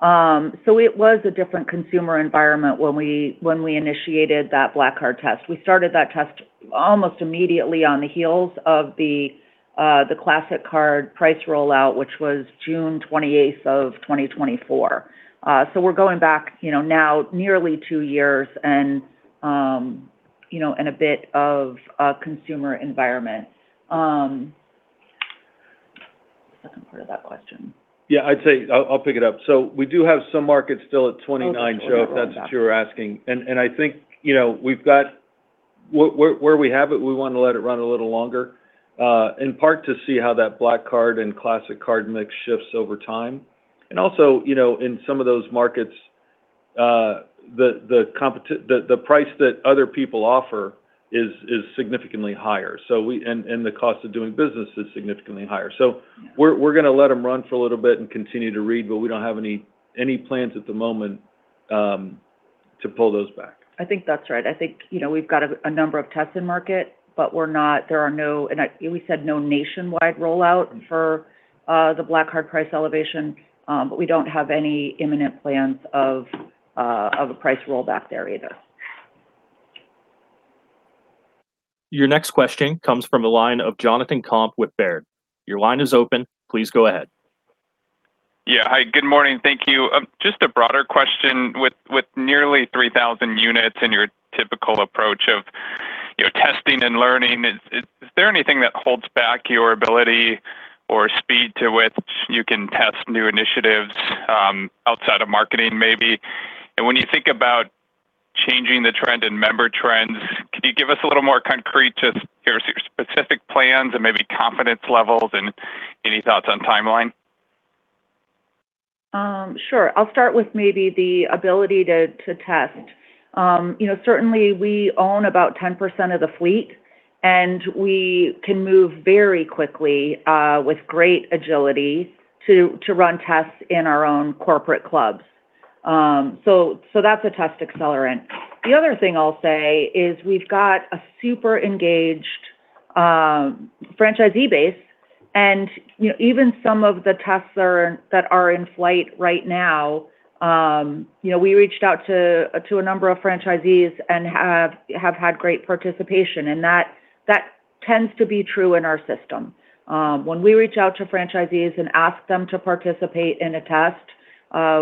It was a different consumer environment when we initiated that Black Card test. We started that test almost immediately on the heels of the Classic Card price rollout, which was June 28th of 2024. We're going back, you know, now nearly two years and, you know, and a bit of a consumer environment. Second part of that question. Yeah, I'd say I'll pick it up. We do have some markets still at 29, Joe. Okay. We'll never roll back If that's what you're asking. I think, you know, where we have it, we want to let it run a little longer, in part to see how that Black Card and Classic Card mix shifts over time. Also, you know, in some of those markets, the price that other people offer is significantly higher, and the cost of doing business is significantly higher. We're going to let them run for a little bit and continue to read, but we don't have any plans at the moment to pull those back. I think that's right. I think, you know, we've got a number of tests in market, but we said no nationwide rollout for the Black Card price elevation. We don't have any imminent plans of a price rollback there either. Your next question comes from the line of Jonathan Komp with Baird. Your line is open. Please go ahead. Yeah. Hi, good morning. Thank you. Just a broader question. With nearly 3,000 units in your typical approach of, you know, testing and learning, is there anything that holds back your ability or speed to which you can test new initiatives, outside of marketing maybe? When you think about changing the trend in member trends, can you give us a little more concrete to your specific plans and maybe confidence levels and any thoughts on timeline? Sure. I'll start with maybe the ability to test. You know, certainly we own about 10% of the fleet, and we can move very quickly with great agility to run tests in our own corporate clubs. So that's a test accelerant. The other thing I'll say is we've got a super engaged franchisee base and, you know, even some of the tests that are in flight right now, you know, we reached out to a number of franchisees and have had great participation, and that tends to be true in our system. When we reach out to franchisees and ask them to participate in a test,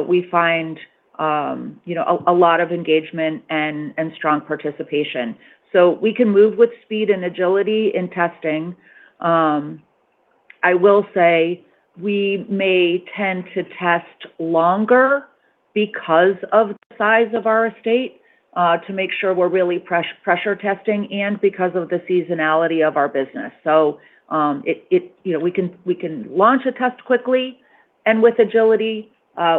we find, you know, a lot of engagement and strong participation. So we can move with speed and agility in testing. I will say we may tend to test longer because of the size of our estate, to make sure we're really press-pressure testing and because of the seasonality of our business. You know, we can launch a test quickly and with agility.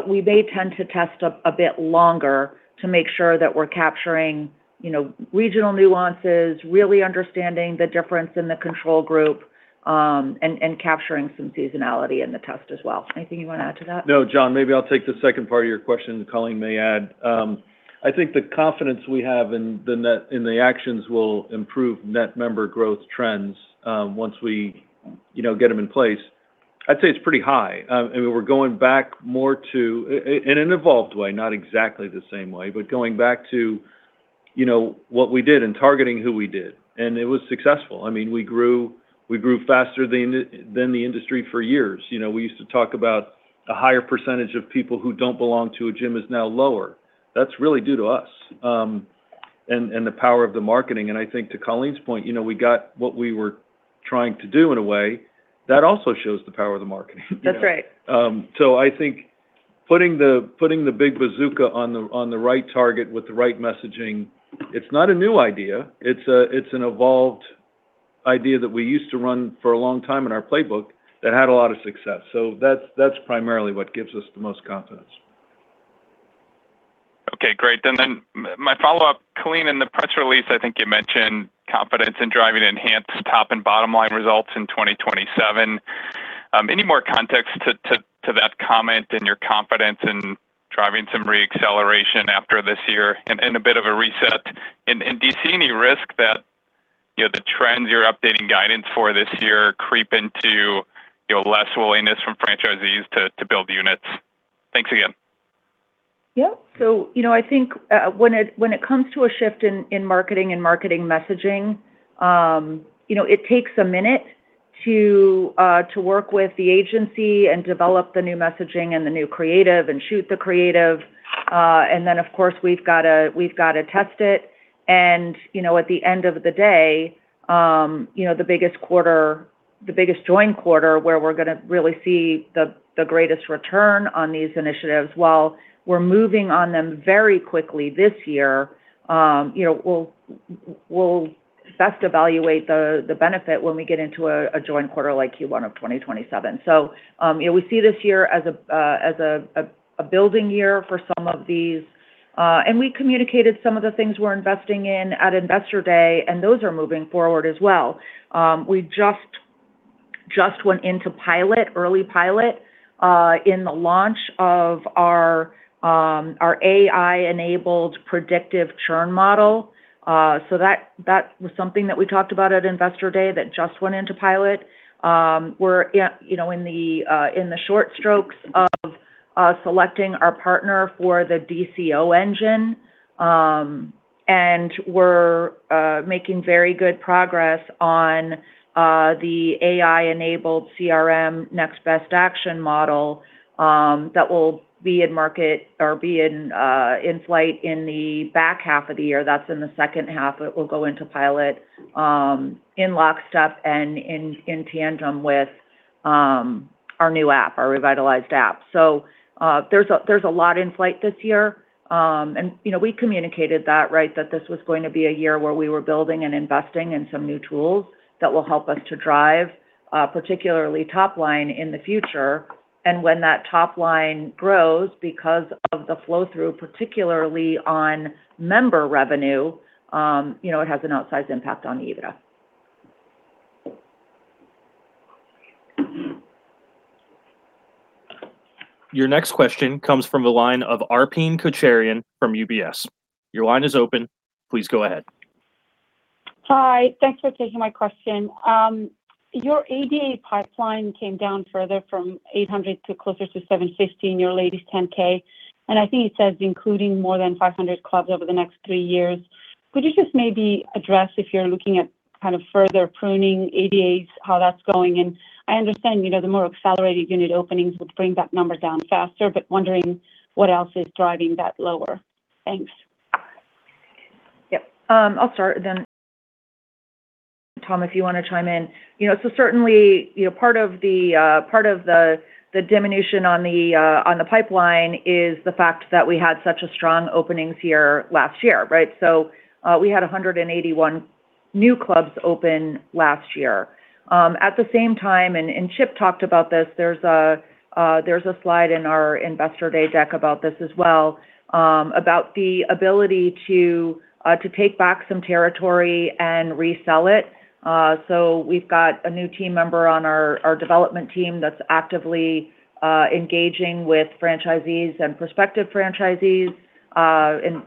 We may tend to test a bit longer to make sure that we're capturing, you know, regional nuances, really understanding the difference in the control group, and capturing some seasonality in the test as well. Anything you want to add to that? No. Jon, maybe I'll take the second part of your question. Colleen may add. I think the confidence we have in the actions will improve net member growth trends, once we, you know, get them in place. I'd say it's pretty high. I mean, we're going back more to in an evolved way, not exactly the same way, but going back to, you know, what we did and targeting who we did, and it was successful. I mean, we grew faster than the industry for years. You know, we used to talk about a higher percentage of people who don't belong to a gym is now lower. That's really due to us, and the power of the marketing. I think to Colleen's point, you know, we got what we were trying to do in a way that also shows the power of the marketing. That's right. I think putting the big bazooka on the, on the right target with the right messaging, it's not a new idea. It's an evolved idea that we used to run for a long time in our playbook that had a lot of success. That's primarily what gives us the most confidence. Okay. Great. My follow-up, Colleen, in the press release, I think you mentioned confidence in driving enhanced top and bottom line results in 2027. Any more context to that comment and your confidence in driving some re-acceleration after this year and a bit of a reset? Do you see any risk that, you know, the trends you're updating guidance for this year creep into, you know, less willingness from franchisees to build units? Thanks again. Yeah. You know, I think when it comes to a shift in marketing and marketing messaging, you know, it takes a minute to work with the agency and develop the new messaging and the new creative and shoot the creative. Of course, we've got to test it, and, you know, at the end of the day, you know, the biggest quarter, the biggest join quarter where we're going to really see the greatest return on these initiatives, while we're moving on them very quickly this year, you know, we'll best evaluate the benefit when we get into a join quarter like Q1 of 2027. You know, we see this year as a building year for some of these. We communicated some of the things we're investing in at Investor Day, and those are moving forward as well. We just went into pilot, early pilot, in the launch of our AI-enabled predictive churn model. That was something that we talked about at Investor Day that just went into pilot. We're you know, in the short strokes of selecting our partner for the DCO engine. We're making very good progress on the AI-enabled CRM Next Best Action model that will be in market or be in flight in the back half of the year. That's in the second half. It will go into pilot, in lockstep and in tandem with our new app, our revitalized app. There's a lot in flight this year. You know, we communicated that, right, that this was going to be a year where we were building and investing in some new tools that will help us to drive particularly top line in the future. When that top line grows because of the flow through, particularly on member revenue, you know, it has an outsized impact on EBITDA. Your next question comes from the line of Arpine Kocharyan from UBS. Your line is open. Please go ahead. Hi. Thanks for taking my question. Your ADA pipeline came down further from 800 to closer to 750 in your latest 10-K, and I think it says including more than 500 clubs over the next three years. Could you just maybe address if you're looking at kind of further pruning ADAs, how that's going? I understand, you know, the more accelerated unit openings would bring that number down faster, but wondering what else is driving that lower. Thanks. Yep. I'll start, then Tom, if you want to chime in. You know, certainly, you know, part of the, part of the diminution on the, on the pipeline is the fact that we had such a strong openings year last year, right? We had 181 new clubs open last year. At the same time, and Chip talked about this, there's a slide in our Investor Day deck about this as well, about the ability to take back some territory and resell it. We've got a new team member on our development team that's actively engaging with franchisees and prospective franchisees. You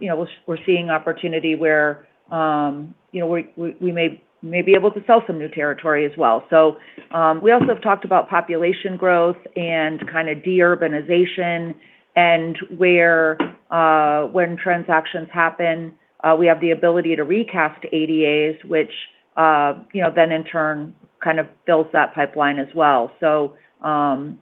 know, we're seeing opportunity where, you know, we may be able to sell some new territory as well. We also have talked about population growth and kind of deurbanization and where, when transactions happen, we have the ability to recast ADAs, which, you know, then in turn kind of builds that pipeline as well.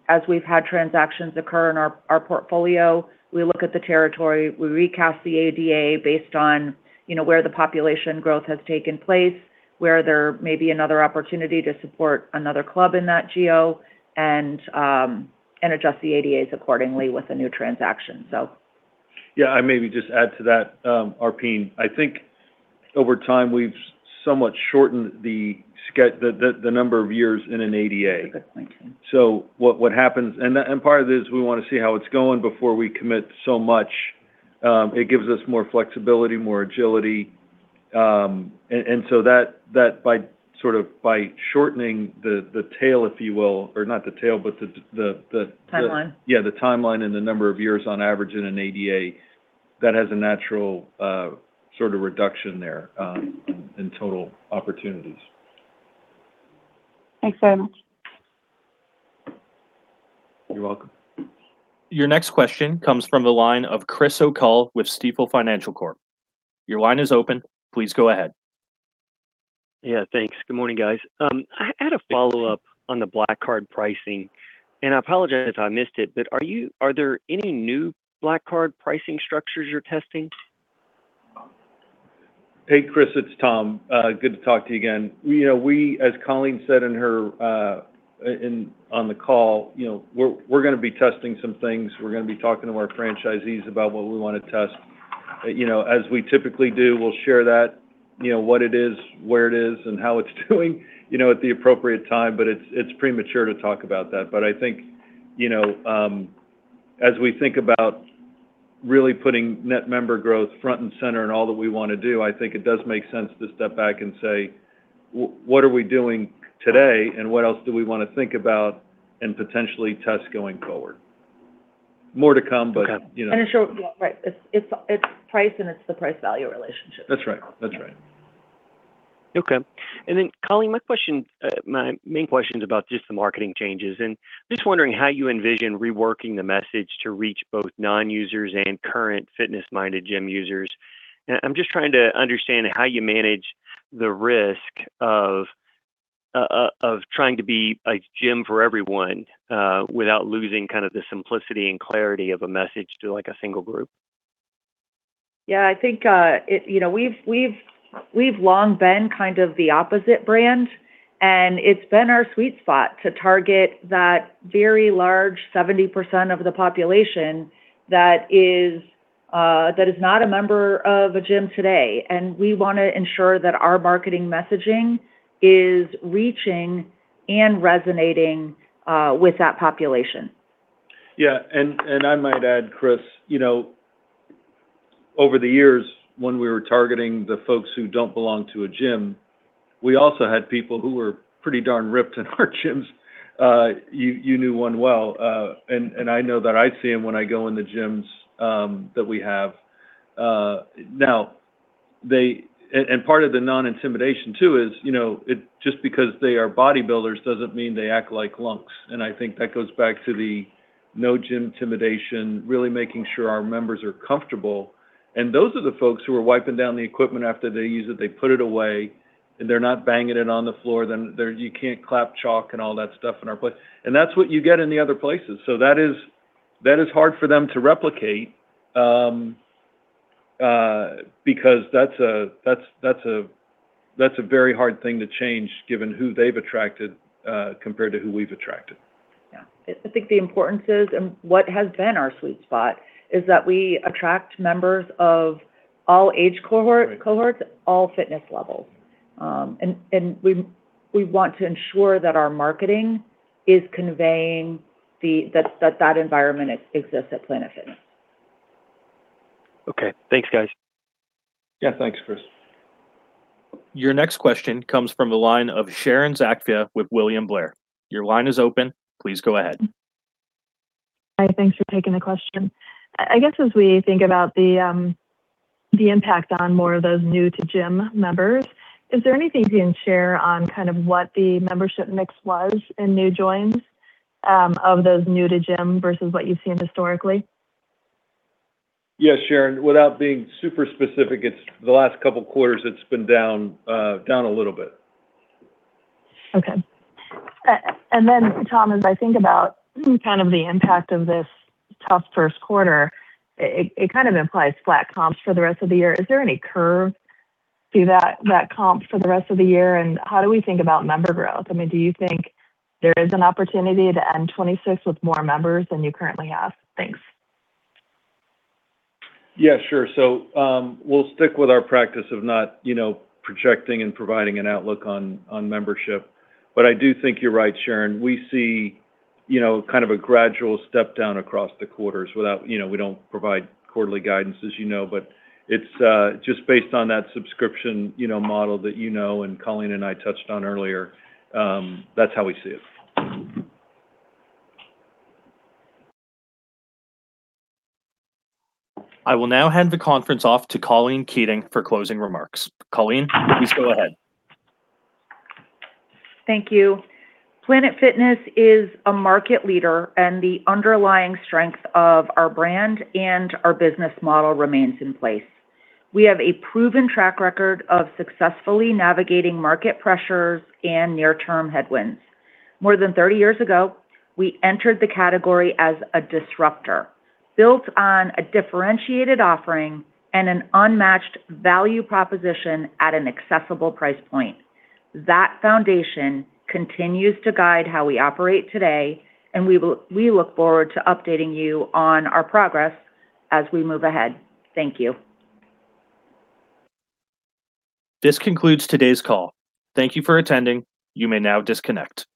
As we've had transactions occur in our portfolio, we look at the territory, we recast the ADA based on, you know, where the population growth has taken place, where there may be another opportunity to support another club in that GO, and adjust the ADAs accordingly with the new transaction. Yeah, I maybe just add to that, Arpine. I think over time, we've somewhat shortened the number of years in an ADA. That's a good point. What happens. Part of it is we want to see how it's going before we commit so much. It gives us more flexibility, more agility. Timeline Yeah, the timeline and the number of years on average in an ADA, that has a natural sort of reduction there, in total opportunities. Thanks very much. You're welcome. Your next question comes from the line of Chris O'Cull with Stifel Financial Corp. Your line is open. Please go ahead. Yeah, thanks. Good morning, guys. I had a follow-up on the Black Card pricing, and I apologize if I missed it, but are there any new Black Card pricing structures you're testing? Hey, Chris. It's Tom. Good to talk to you again. You know, we, as Colleen said on the call, you know, we're going to be testing some things. We're going to be talking to our franchisees about what we want to test. You know, as we typically do, we'll share that, you know, what it is, where it is, and how it's doing, you know, at the appropriate time. It's premature to talk about that. I think, you know, as we think about really putting net member growth front and center in all that we want to do, I think it does make sense to step back and say, "What are we doing today, and what else do we want to think about and potentially test going forward?" More to come. Okay You know. I'm sure, yeah, right, it's price and it's the price value relationship. That's right. Okay. Colleen, my question, my main question is about just the marketing changes, just wondering how you envision reworking the message to reach both non-users and current fitness-minded gym users. I'm just trying to understand how you manage the risk of trying to be a gym for everyone, without losing kind of the simplicity and clarity of a message to, like, a single group. Yeah, I think, You know, we've long been kind of the opposite brand, and it's been our sweet spot to target that very large 70% of the population that is not a member of a gym today. We want to ensure that our marketing messaging is reaching and resonating with that population. Yeah. I might add, Chris, you know, over the years when we were targeting the folks who don't belong to a gym, we also had people who were pretty darn ripped in our gyms. You knew one well, I know that I see them when I go in the gyms that we have. Now part of the non-intimidation too is, you know, just because they are bodybuilders doesn't mean they act like lunks. I think that goes back to the no gym-timidation, really making sure our members are comfortable. Those are the folks who are wiping down the equipment after they use it. They put it away, they're not banging it on the floor then. You can't clap chalk and all that stuff in our place. That's what you get in the other places. That is hard for them to replicate, because that's a very hard thing to change given who they've attracted, compared to who we've attracted. Yeah. I think the importance is, and what has been our sweet spot, is that we attract members of all age cohorts, all fitness levels. Right We want to ensure that our marketing is conveying that environment exists at Planet Fitness. Okay. Thanks, guys. Yeah. Thanks, Chris. Your next question comes from the line of Sharon Zackfia with William Blair. Your line is open. Please go ahead. Hi. Thanks for taking the question. I guess as we think about the impact on more of those new to gym members, is there anything you can share on kind of what the membership mix was in new joins, of those new to gym versus what you've seen historically? Yes, Sharon. Without being super specific, the last couple quarters it's been down a little bit. Okay. Tom, as I think about kind of the impact of this tough first quarter, it kind of implies flat comps for the rest of the year. Is there any curve to that comp for the rest of the year, and how do we think about member growth? I mean, do you think there is an opportunity to end 2026 with more members than you currently have? Thanks. Yeah, sure. We'll stick with our practice of not, you know, projecting and providing an outlook on membership, but I do think you're right, Sharon. We see, you know, kind of a gradual step down across the quarters without, you know, we don't provide quarterly guidance as you know, but it's just based on that subscription, you know, model that you know and Colleen and I touched on earlier. That's how we see it. I will now hand the conference off to Colleen Keating for closing remarks. Colleen, please go ahead. Thank you. Planet Fitness is a market leader, and the underlying strength of our brand and our business model remains in place. We have a proven track record of successfully navigating market pressures and near-term headwinds. More than 30 years ago, we entered the category as a disruptor, built on a differentiated offering and an unmatched value proposition at an accessible price point. That foundation continues to guide how we operate today, we look forward to updating you on our progress as we move ahead. Thank you. This concludes today's call. Thank you for attending. You may now disconnect.